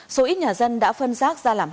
số ít nhà dân đã phân rác ra làm hai